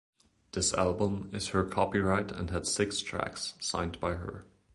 This album, is her copyright and had six tracks signed by her.